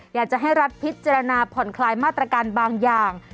อยากจะให้รัฐพิจารณาผ่อนคลายมาตรการบางอย่าง